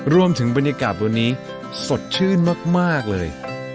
รวมถึงบรรยากาศตรงนี้สดชื่นมากเลย